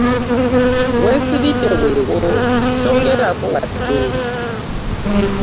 We nsibidde weewo ssongerako wadde.